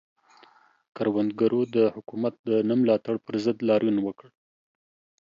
کروندګرو د حکومت د نه ملاتړ پر ضد لاریون وکړ.